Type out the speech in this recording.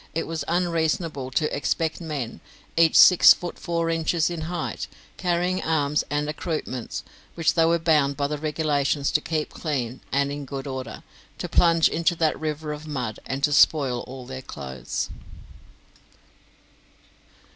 It was unreasonable to expect men, each six foot four inches in height, carrying arms and accoutrements, which they were bound by the regulations to keep clean and in good order, to plunge into that river of mud, and to spoil all their clothes.